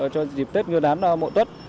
cho dịp tết ngư đán mộ tuất